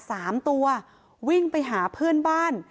สามตัววิ่งไปหาเพื่อนบ้าน